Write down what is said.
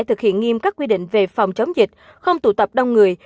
trẻ nghiêm các quy định về phòng chống dịch không tụ tập đông người